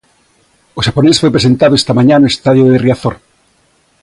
O xaponés foi presentado esta mañá no estadio de Riazor.